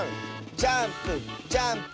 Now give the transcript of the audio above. ジャンプジャンプ。